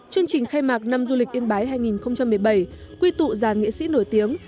chương trình khai mạc năm du lịch yên bái hai nghìn một mươi bảy quy tụ dàn nghệ sĩ nổi tiếng